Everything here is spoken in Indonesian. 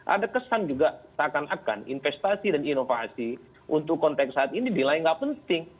ada kesan juga seakan akan investasi dan inovasi untuk konteks saat ini dinilai tidak penting